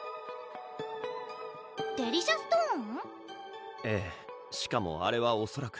デリシャストーン？